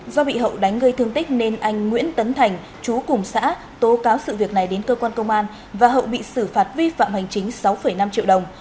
do bị hậu đánh gây thương tích nên anh nguyễn tấn thành chú cùng xã tố cáo sự việc này đến cơ quan công an và hậu bị xử phạt vi phạm hành chính sáu năm triệu đồng